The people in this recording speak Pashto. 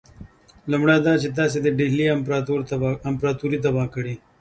لومړی دا چې تاسي د ډهلي امپراطوري تباه کړه.